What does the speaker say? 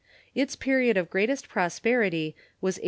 Its period of greatest prosperitj^ was A.